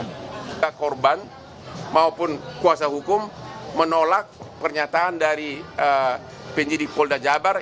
jika korban maupun kuasa hukum menolak pernyataan dari penyidik polda jabar